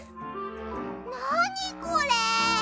なにこれ？